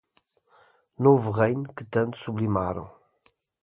Novo reino, que tanto sublimaram.